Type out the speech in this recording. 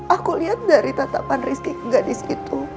aku lihat dari tatapan rizky gadis itu